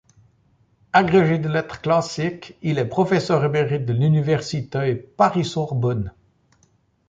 Agrégé de lettres classiques, il est professeur émérite de l'université Paris-Sorbonne.